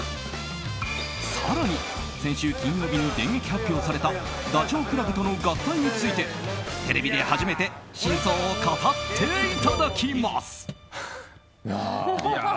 更に先週金曜日に電撃発表されたダチョウ倶楽部との合体についてテレビで初めて真相を語っていただきます。